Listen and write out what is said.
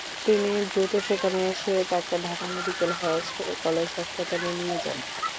তিনি দ্রুত সেখানে এসে তাঁকে ঢাকা মেডিকেল কলেজ হাসপাতালে নিয়ে যান।